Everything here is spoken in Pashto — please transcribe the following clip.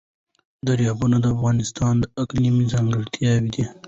دریابونه د افغانستان د اقلیم ځانګړتیا ده.